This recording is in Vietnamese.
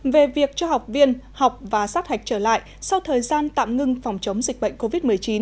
về việc cho học viên học và sát hạch trở lại sau thời gian tạm ngưng phòng chống dịch bệnh covid một mươi chín